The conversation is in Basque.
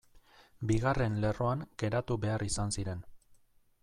Bigarren lerroan geratu behar izan ziren.